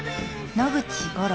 野口五郎。